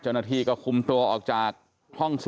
จัดหลาดที่วงนัดเขความสมบัติใดที่โลกแห่งหลบแล้วตามมาก็ไม่มีอะ